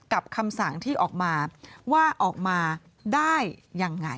คำสั่งที่ออกมาว่าออกมาได้ยังไง